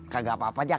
kagak apa apa jak